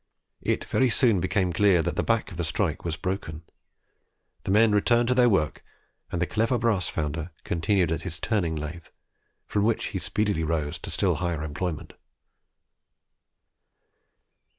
It very soon became clear that the back of the strike was broken. The men returned to their work, and the clever brass founder continued at his turning lathe, from which he speedily rose to still higher employment.